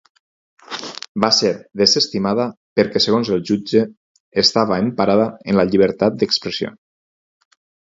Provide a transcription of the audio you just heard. Va ser desestimada perquè segons el jutge, estava emparada en la llibertat d’expressió.